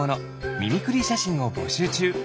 ミミクリーしゃしんをぼしゅうちゅう。